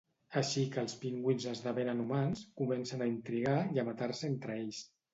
Així que els pingüins esdevenen humans, comencen a intrigar i a matar-se entre ells.